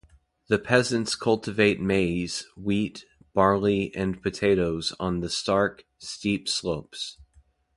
The peasants cultivate maize, wheat, barley and potatoes on the stark, steep slopes.